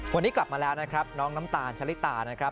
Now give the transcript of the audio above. วันนี้กลับมาแล้วนะครับน้องน้ำตาลชะลิตานะครับ